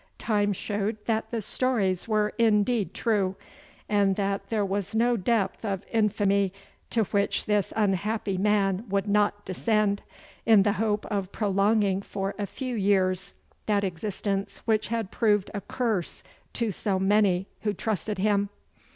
time showed that the stories were indeed true, and that there was no depth of infamy to which this unhappy man would not descend, in the hope of prolonging for a few years that existence which had proved a curse to so many who trusted him.